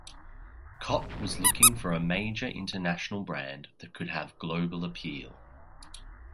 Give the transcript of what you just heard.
Cott was looking for a major international brand that could have global appeal.